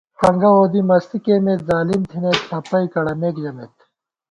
کنگہ وودی مستی کېئیمېت ظالم تھنَئیت ݪَپَئی کڑَمېک ژمېت